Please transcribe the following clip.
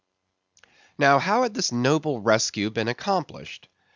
Now, how had this noble rescue been accomplished?